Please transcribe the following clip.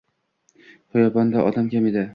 Xiyobonda odam kam edi.